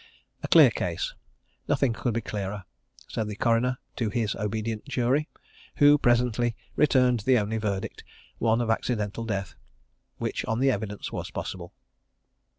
A clear case nothing could be clearer, said the coroner to his obedient jury, who presently returned the only verdict one of accidental death which, on the evidence, was possible.